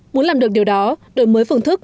muốn làm được điều đó đổi mới phương thức